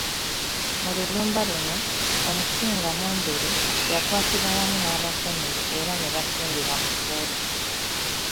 Mu lulumba luno, Omusinga Mumbere, yakwatibwa wamu n'abakuumi be era nebasimbibwa mu kkooti.